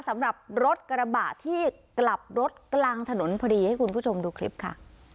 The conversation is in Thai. สำหรับรถกระบะที่กลับรถกลางถนนพอดีให้คุณผู้ชมดูคลิปค่ะ